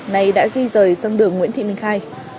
này đã di rời sang đường nguyễn thị minh khai